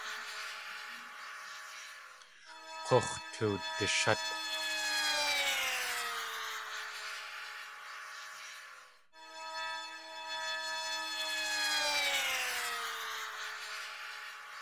K̲ux̲ tuwdishát.